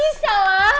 tapi gak gini caranya